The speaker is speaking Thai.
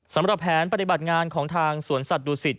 สำหรับแผนปฏิบัติงานของทางสวนสัตว์ดูสิต